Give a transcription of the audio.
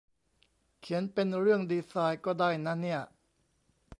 เขียนเป็นเรื่องดีไซน์ก็ได้นะเนี่ย